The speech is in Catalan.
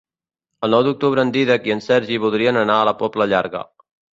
El nou d'octubre en Dídac i en Sergi voldrien anar a la Pobla Llarga.